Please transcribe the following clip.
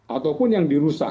ataupun yang dirusak